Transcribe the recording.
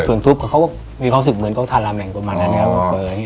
ส่วนซุปกับเขาก็มีความสุขเหมือนโต๊ะทานราแมงประมาณนั้นนะครับ